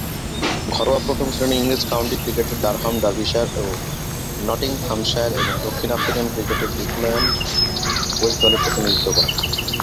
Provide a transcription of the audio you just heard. ঘরোয়া প্রথম-শ্রেণীর ইংরেজ কাউন্টি ক্রিকেটে ডারহাম, ডার্বিশায়ার ও নটিংহ্যামশায়ার এবং দক্ষিণ আফ্রিকান ক্রিকেটে গ্রিকুয়াল্যান্ড ওয়েস্ট দলের প্রতিনিধিত্ব করেন।